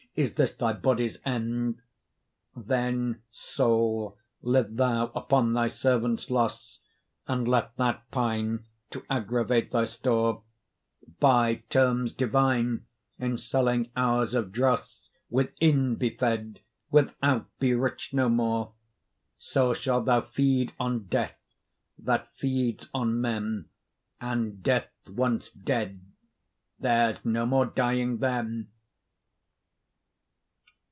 Is this thy body's end? Then soul, live thou upon thy servant's loss, And let that pine to aggravate thy store; Buy terms divine in selling hours of dross; Within be fed, without be rich no more: So shall thou feed on Death, that feeds on men, And Death once dead, there's no more dying then.